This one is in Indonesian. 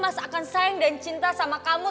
mas akan sayang dan cinta sama kamu